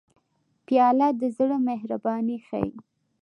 پیاله د زړه مهرباني ښيي.